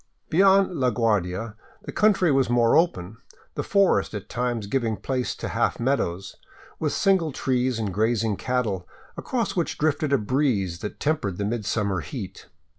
Beyond La Guardia the country was more open, the forest at times giving place to half meadows, with single trees and grazing cattle, across which drifted a breeze that tempered the midsummer heat.